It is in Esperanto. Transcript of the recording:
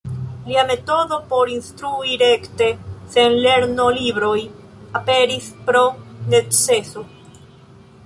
Lia metodo por instrui rekte, sen lernolibroj, aperis pro neceso.